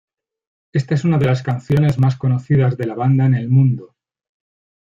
Esta es una de las canciones más conocidas de la banda en el mundo.